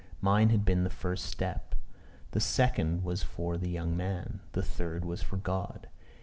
Mine had been the first step: the second was for the young man: the third was for God.